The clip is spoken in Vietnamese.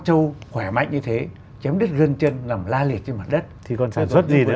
trâu khỏe mạnh như thế chém đứt gân chân nằm la liệt trên mặt đất thì còn sản xuất gì nữa